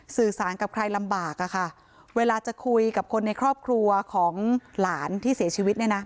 สื่อสารกับใครลำบากอะค่ะเวลาจะคุยกับคนในครอบครัวของหลานที่เสียชีวิตเนี่ยนะ